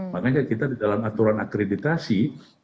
makanya kita di dalam aturan akreditasi